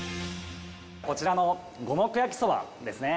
こちらの五目焼きそばですね。